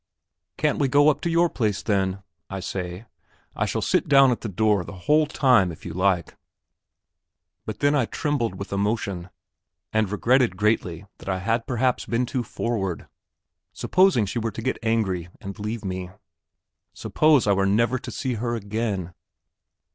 "Can't we go up to your place, then?" I say; "I shall sit down at the door the whole time if you like." But then I trembled with emotion, and regretted greatly that I had perhaps been too forward. Supposing she were to get angry, and leave me. Suppose I were never to see her again.